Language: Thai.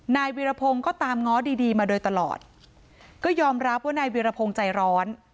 นายวิรพงศ์ก็ตามง้อดีดีมาโดยตลอดก็ยอมรับว่านายวิรพงศ์ใจร้อน